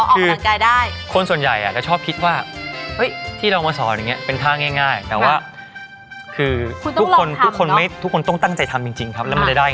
คือคนส่วนใหญ่จะชอบคิดว่าที่เรามาสอนอย่างนี้เป็นท่าง่ายแต่ว่าคือทุกคนทุกคนต้องตั้งใจทำจริงครับแล้วมันจะได้